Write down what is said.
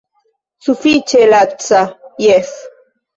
Sufiĉe laca, jes.